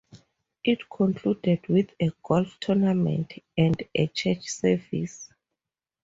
It concluded with a golf tournament, and a church service.